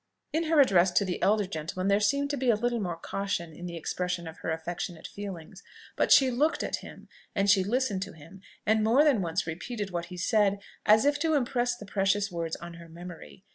In her address to the elder gentleman there seemed to be a little more caution in the expression of her affectionate feelings; but she looked at him, and she listened to him, and more than once repeated what he said, as if to impress the precious words on her memory.